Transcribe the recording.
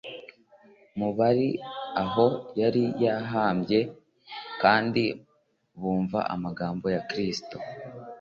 mu bari aho yari abambwe kandi bumva n'amagambo ya Kristo.